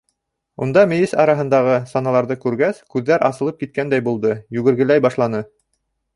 Унда мейес араһындағы саналарҙы күргәс, күҙҙәр асылып киткәндәй булды, йүгергеләй башланы.